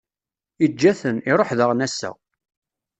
Iǧǧa-ten, iṛuḥ daɣen ass-a.